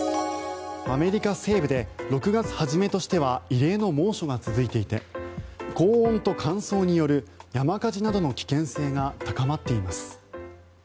アメリカ西部で６月初めとしては異例の猛暑が続いていて高温と乾燥による山火事などの危険性が高まっています。